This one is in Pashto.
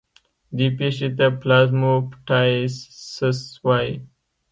دې پېښې ته پلازموپټایسس وایي.